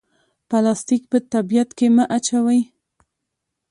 پلاستیک په طبیعت کې مه اچوئ